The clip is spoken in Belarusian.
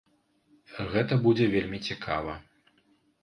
Гэта будзе вельмі цікава.